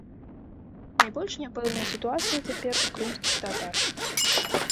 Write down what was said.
Найбольш няпэўная сітуацыя цяпер у крымскіх татар.